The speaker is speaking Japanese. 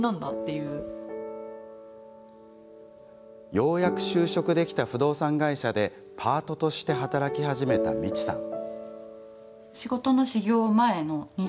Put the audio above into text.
ようやく就職できた不動産会社でパートとして働き始めたみちさん。